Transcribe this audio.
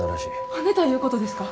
はねたいうことですか？